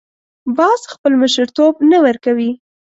باز خپل مشرتوب نه ورکوي